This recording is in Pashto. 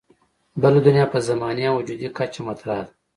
بله دنیا په زماني او وجودي کچه مطرح ده.